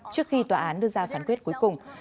trước khi tòa án đưa ra phán quyết cuối cùng